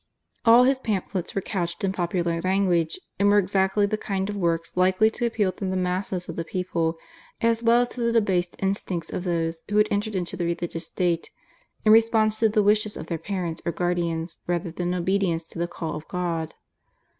All his pamphlets were couched in popular language and were exactly the kind of works likely to appeal to the masses of the people, as well as to the debased instincts of those who had entered into the religious state in response to the wishes of their parents or guardians rather than in obedience to the call of God.